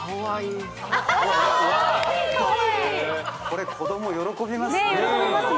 これ子供喜びますね。